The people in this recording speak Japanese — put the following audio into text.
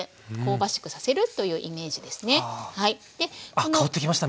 あ香ってきました